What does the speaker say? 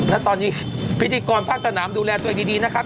และตอนนี้พิธีกรภาคสนามดูแลตัวเองดีนะครับ